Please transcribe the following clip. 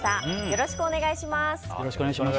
よろしくお願いします。